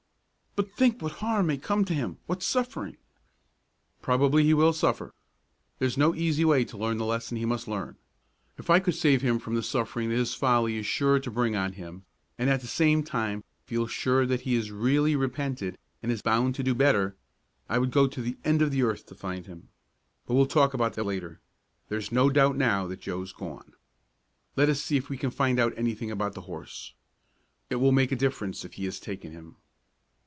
"But think what harm may come to him, what suffering!" "Probably he will suffer. There's no easy way to learn the lesson he must learn. If I could save him from the suffering that his folly is sure to bring on him, and at the same time feel sure that he has really repented and is bound to do better, I would go to the end of the earth to find him. But we'll talk about that later. There's no doubt now that Joe's gone. Let us see if we can find out anything about the horse. It will make a difference if he has taken him."